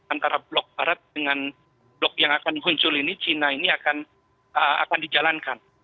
antara blok barat dengan blok yang akan muncul ini cina ini akan dijalankan